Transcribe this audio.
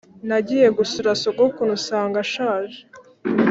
nagiye gusura sogokuru nsanga ashaje.